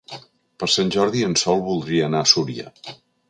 Per Sant Jordi en Sol voldria anar a Súria.